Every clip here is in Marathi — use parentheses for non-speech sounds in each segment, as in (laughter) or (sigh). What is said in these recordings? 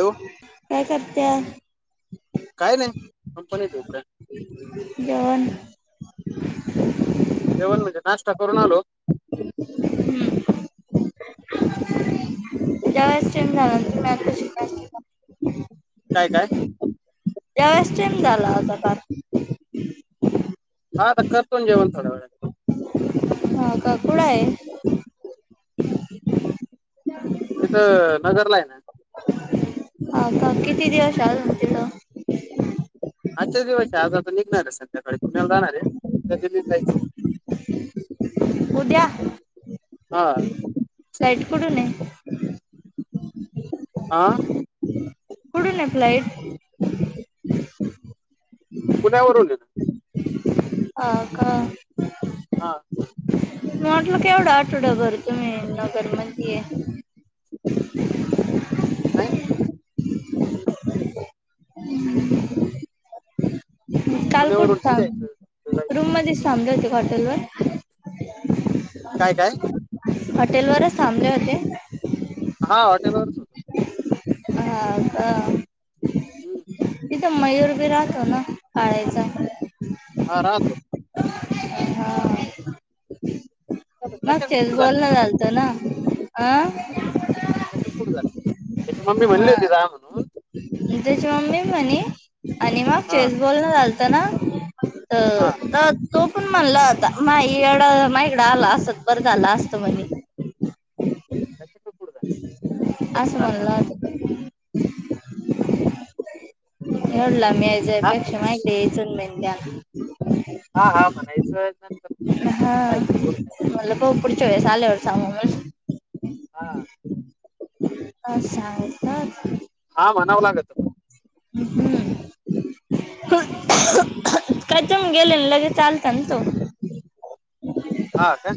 हॅलो काय करत्या? काय नाही कंपनीत आहे इकडे जेवण. (inaudible) जेवण म्हणजे नाश्ता करून आलो. हम्म. ज्या वेळेस टाइम झाला (unintelligible) तु्म्ही आता शिकतायं? काय काय त्यावेळेस टेम झाला होता फार. हा तर करतो न जेवण थोड्या वेळानं. हा क कुडय? तिथ नगरला आहे ना, हा प किती दिवस अजून तिथं? आजय दिवायसय आज आता निघणार आहे. संध्याकाळी पुण्याला जाणार हे. कधी दिसायचं उद्या हा. फॉईट कुडूून हे. आ. कुठून हे फ्लाइट? पुण्यावरून ये. हा का. हा. म्हटलं केवढं आठवडा, भर तुम्ही नगर मध्ये? (inaudible) आणि (unintelligible) (inaudible) (inaudible) काल कुठ? पुण्यावरून निघायचं तिथं थांब जायचं रूम मध्ये थांबलं- हॉटेलवर काय काय हॉटेल वरच थांबले होते हा हॉटेल वरच होत. हा अ ही तिथं मयूर बी राहतो ना पाळायचा हा राहतो. हा मग त्याच्याकडे फेस कुठे जात बॉल ना चालत ना आं त्याच्याकडे कुठ झालं? त्याची मम्मी म्हणली हा होती राहा म्हणून. त्याची मम्मी म्हणे आणि मग हा चेस बॉल न चालत ना तर हा तर तो पण म्हणला आता मा एड माकडं आला असत पर झालं असत म्हणे. त्याच्याकडे कुठे जात रिकामं असं तान म्हणलं. हलं मीज हा अपेक्षा माहितीजन मनान हा हा म्हणायचं नंतर हा पाहिजे एवढं काय मला प पुढच्या आल्या सम हा सांग हा म्हणावं लागत पण हम हा कचम गेले लगे चालत ना तो हा काय?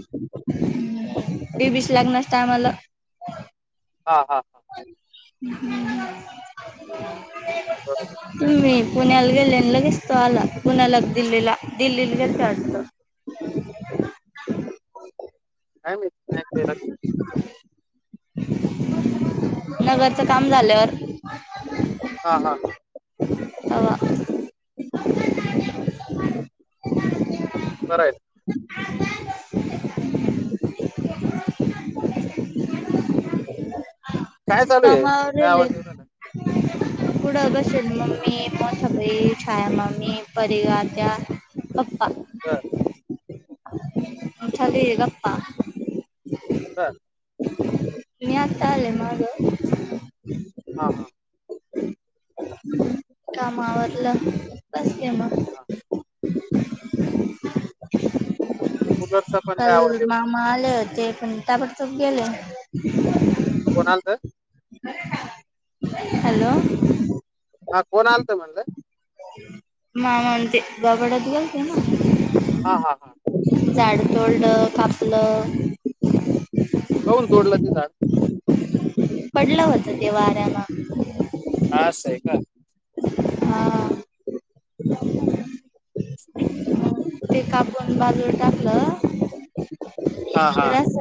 ते बीस लागणारसता आम्हाला हा हा हा बरोबर तुम्ही पुण्याला गेले आणि लगेचतो आला पुण्याला दिल्लीला दिल्लीला गेलता वातत. (inaudible) ह इ नाही ते नगरच काम झाल्यावर हा हा आ बराय (inaudible) (unintelligible) काय चालू आहे तमर काय ल आवाज येऊ राहिला पुढं बसल मम्मी पन सळी छाया मम्मी परी ग आत्या अ गपपा बर हा मी आता हा हा कामावरलं बस म हा (unintelligible) कूलरचा पण काल नाही आवाज आहे ब मामा आले होते पण ताबडतोब गेले होणाल तर हॅलो हा कोण आलत म्हणलं म म ते बाबाडधिकाते ना हा हा हा दंडं पासलं होऊन तोडलं ते झाड पडलं होतं ते वाऱ्यान आ अस हाय का? हा. ते कापून बाजूून टाकलं हा हा हा तर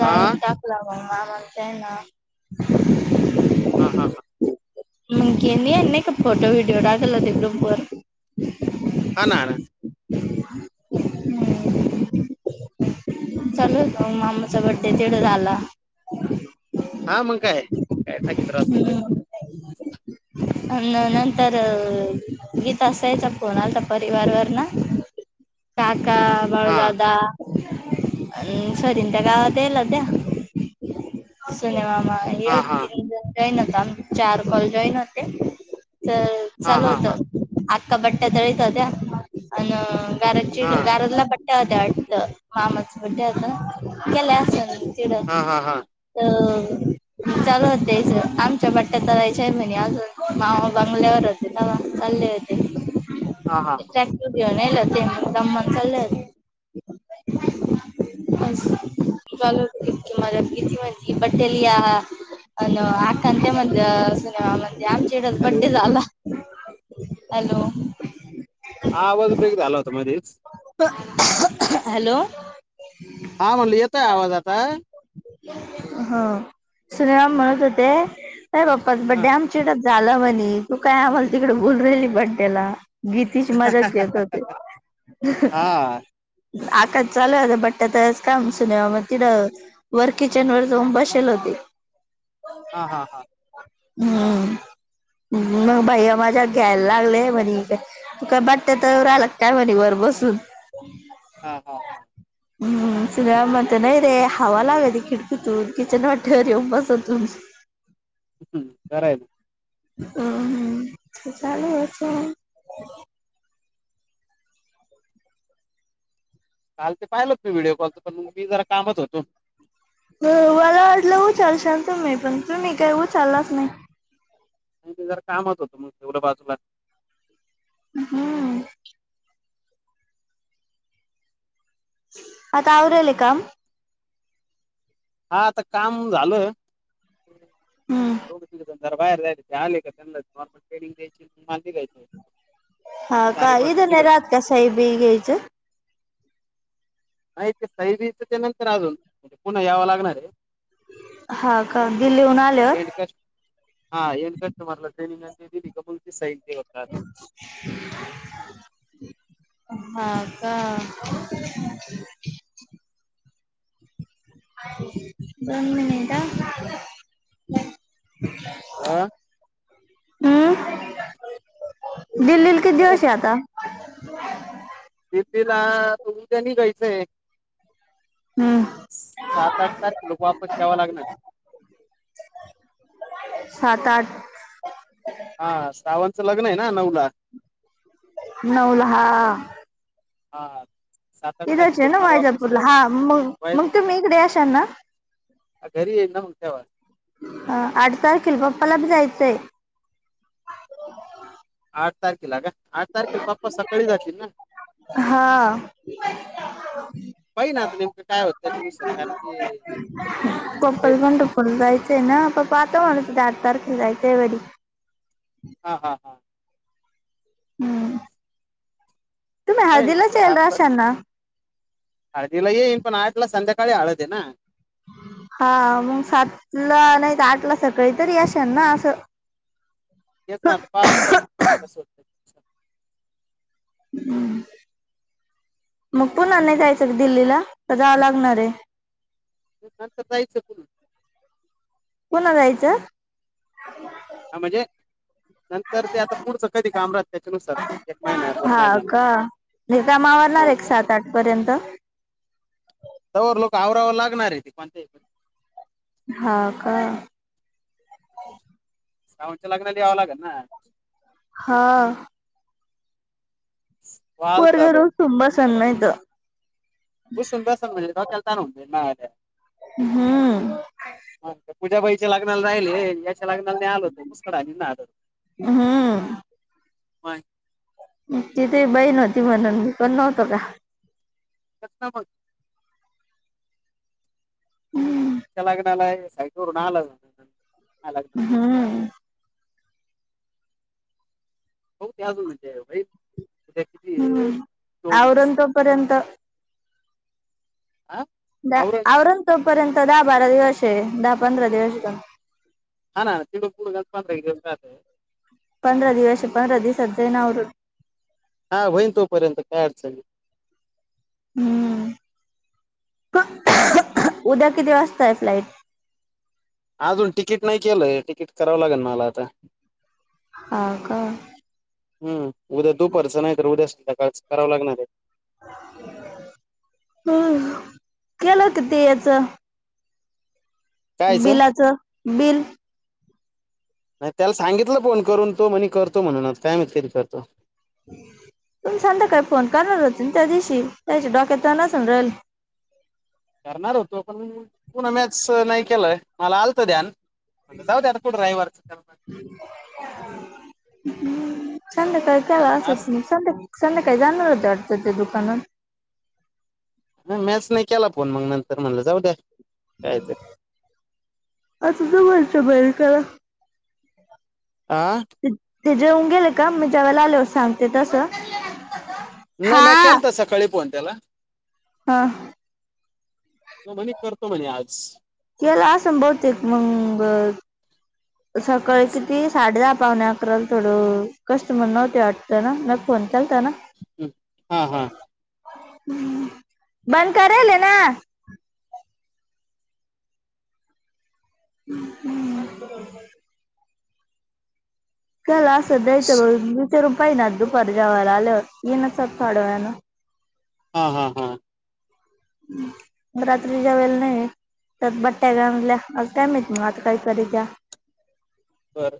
हा (inaudible) घुवा म्हणते ना हा हा (inaudible) हा ना ना. (unintelligible) चालू मामाचा बड्डे तेवढ झाला हा मंग काय काय हम्म (unintelligible) नंतर गीता असायच्या फोन आलाता परिवारवरन काका, बाळु, हा दादा, (inaudible) हा एड हा तीन जॉईन होता आम चार कॉल जॉईन होते, हा हा हा हा (inaudible) गारची हा घारातला बड्ठ्या होते्या वाटत मामाच बड्ट्या होता केले अस ड हा हा चालू हो त्याच आमच्या बा तालायच्या आहे महि अजून मामा बंगल्यावर होते चालले होते, हा हा हा, (inaudible) ब मला किती म्हणती पटेलीया अन आकंत म सिनेमा म्हणजे आमच्या हॅलो बड्डे झाला, हॅलो! (inaudible) हॅलो! हा म्हणलं येतय आवाज आता हा सुनीराम म्हणत होते का बाप्पाच हा बड्डे आमचे झालं म्हणे तू काय आम्हाला तिकडे बोल राहिलली पण त्याला गीतीची मज्या घेत होते हा. (inaudible) (unintelligible) हा हा हा. हम्म मगं भाईया माझ्या घ्यायला लागले म्हणे का तू का बाट्यत राहिला काय म्हणे बरो बसून हा हा हम्म शिऱ्या म्हणत नाही रे हावा लागती खिडकीतून किचन वाटेवर येऊन बसा तुम्ही. (unintelligible) हम्म बरं आहे म हू, हू ते चालू हे चालू काल ते पाहिल तुम्ही व्हिडिओ कॉल त त मी जरा कामात होतो. होय मला वाटलं उचलशील तुम्ही पण तुम्ही काही उचलाच नाही. जरा कामत होतो मगं ठेवलो बाजूला हम्म आता आवराले काम हा आता काम झाल हम्म दोघं तीघजण जरा बाहेर जायचे ते आले का त्यांना नॉर्मल ट्रेनिंग (unintelligible) हा चार एक काही (unintelligible) वाजता निघाल बाई घ्यायचं नाही ते सहिबियीच नंतर आजून. म्हणजे पुन्हा यावं लागणार आहे. हा का दिल्लीहून आल्यावर एन्डकस्ट हा. एन्ड् कस्टमर (unintelligible) (unintelligible) ते दिली का भाऊची साईन? (inaudible) हा का? दोन मिनिटं हं आ? हम्म दिल्लीला किती दिवसए आता? दिल्लीला -आता उद्या निघायचं हे. हम्म सात आठ तारखेला वापस यावा लागणार. सात आठ हा. श्रावणचं लग्न आहे ना नऊला. नऊला हा हां इथंच आहे ना वैजापूरला. हा. मग- मग वय- तुम्ही इकडे येशाल ना? घरी येईल ना मग तेव्हा अ. आठ तारखेल पप्पाला जायचंय आठ तारखेला का? आठ तारखेला पप्पा सकाळी जातील ना? हा पाहिन आता नेमकं काय होत त्याच्यानुसार. कारन की म्हणजे पप्पाला पंढरपूरला जायचं आहे ना. पप्प पाहतो म्हणे तिथे आठ तारखेला जायचं घरी हा, हा, हा हम्म. तुम्ही होय न म्हणजे? हळदीलाच सात यायला ला असाल ना हळदीला येईन, पण आठ ला संध्याका काळी हाळद हे ना? हा हा, काहीतरी आशेन ना? आसं तेच ना आता पाहतो ना? कसं होतय हम्म. मग पुन्हा नाही जायचं का दिल्लीला? का जावं लागणार आहे? नंतर जायचं (unintelligible) पुन्हा जायचं? हा म्हणजे नंतर ते आता पुढचं कधी काम राहत त्याच्यानुसार एक महिना दोन महिन्यान काम आवरणार आहे का सात आठ पर्यंत. तवर लोक आवराव लागणार आहे. ते पाणी दे इकडं हा का? सावंतच्या लग्नाला यावं लागेल ना. हा. पोरग वालता भाऊ रुसून बसेल नाहीतर. रुसून बसेल म्हणजे डोक्याला त्रास होऊन जाईल माझ्या. हम्म. हा. पूजाबाईच्या लग्नाला राहिले. याच्या लग्नाला नाही आलो तर (unintelligible) हम. बाय. तिथे बहीण व्हती म्हणून, मी पण नव्हतो का? कस्टमर? हम्म. च्या लग्नाला साईटवरून आलं हम्म (unintelligible) हो ते अजून होईल (inaudible) किती हम्म आहे चोवीस आवरलं तोपर्यंत. हा द आवरण होईल आवरलं का? तो पर्यंत दहा बारा दिवस आहे दहा पंधरा दिवस. हा ना तिकडून पुढे पंधरा एक दिवस राहत पंधरा दिवस पंधरा दिवसात जाईन आवरून. हा होईन तोपर्यंत काय अडचण नाही. हम्म उद्या किती वाजताय फ्लाइट? अजून तिकीट नाही केलंय तिकीट करावं लागेल मला आता. हां का हम् उद्या दूपारच नाही तर उद्या संध्याकाळचं करावं लागणार आहे. ह केलं किती याच. कायचं बिलाचं बिल नाही त्याला सांगितलं फोन करून तो, म्हणे करतो म्हणून काय माहित कधी करतो. हम्म तुम्ही सांध्याकळी फोन करणार होतं त्या दिवशी त्यांच्या डोक्यात नसन राहिलं. करणार होतो पण पुन्हा मॅसेज नाही केलंय मला आलत ध्यान. म्हणलं जाऊदे आता कुठं ड्रायव्हरचं करणार. हम्म संध्याकाळी करा असं आज असतं म संध्या संध्याकाळी जाणार होत्या वाटतं ते दुकानात? मॅच नाही केला फोन मग नंतर म्हणलं जाऊ द्या. काय ते असु दे म्हणतंय बैल त्याला आ.. ते जेवुण गेले का मी जेवायला आले सांगते तसं. नाही मँ केलता सकाळी फोन त्याला. हां म्हणे करतो म्हणे आज. केला असनं बहुतेक मगं सकाळी किती साडे आठ. पावणे अकराला थोडं कस्टमर नव्हतं वाटतं ना म फोन केलता ना. हा हा बंद करेलय ना. ह हम्म त्याला असं द्यायचं दोनशे रूपय ना दुपार जावायला आल्यावर येनच आता थोड्या वेळानं. हा हा हा मग रात्री जेवायला नाहीय? तर बट्ट्या घामल्या आज काय माहीत आता काही करीत्या. बरं र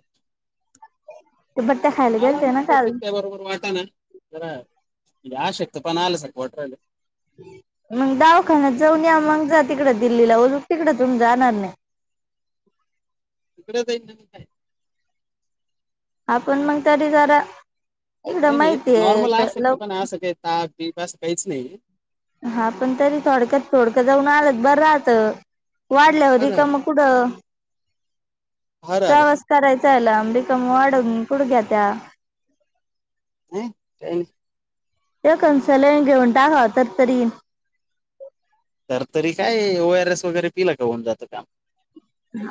ते बट्ट्या खायला मला गेलते ना माहित काल तिट्या बरोबर वाटना जरा. अशक्तपणा आल्या सारक वाटू राहिलंय. हम्म मग दावाखान्यात जाऊन या मग जा तिकड दिल्लीला ओज तिकड तुम्ही जाणार नाही. (inaudible) (unintelligible) द नाही (unintelligible) आपण मग तरी जरा इकडं नाही म्हणजे माहितीये नॉर्मल तर अशक्त लव पण असं का ताप बीप असं काहीच नाही. हा पण तरी थोडक्यात थोडकं जाऊन आलंत बरं राहत. वाढल्यावर हरण रिकाम कुठं. हरण प्रवास करायचा आहे लांब रिकामं वाढून कुठ घ्या त्या? ह्ं ते खंचले घेऊन टाका तरतरी येईल. तर तरी काय ओ आर एस वगैरे पिला का होऊन जातं काम.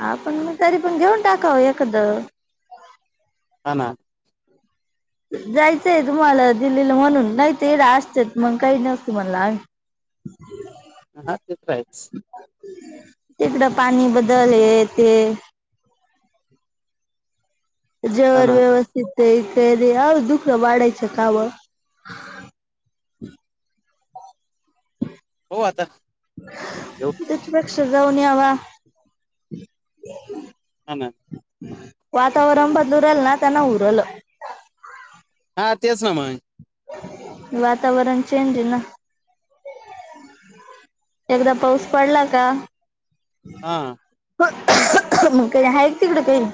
आपण मग तरी पण घेऊन टाकाव एखादं. ह जायचंय तुम्हाला दिल्लीला म्हणून नाही ते एढ असत मग काही नसत म्हणला आम्ही ह ना (unintelligible) तिकडं पाणी बदल ते हा जर ना व्यवस्थित तेरी आव दुःख वाढेचे काम हो आताऊ अक्षर जाऊन (unintelligible) वा हा ना वातावरण बदलू रहल ना त्यांना उरलं हा तेच ना म वातावरण चेंज न एकदा पाऊस पडला का हा मग काही आहे तिकडं काही